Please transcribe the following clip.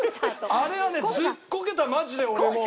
あれはねずっこけたマジで俺も。